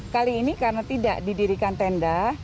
kali ini karena tidak didirikan tenda